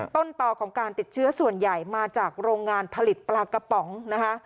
ต้นต่อของการติดเชื้อส่วนใหญ่มาจากโรงงานผลิตปลากระป๋องนะคะ